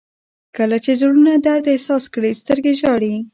• کله چې زړونه درد احساس کړي، سترګې ژاړي.